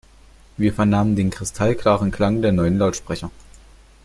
Wir vernahmen den kristallklaren Klang der neuen Lautsprecher.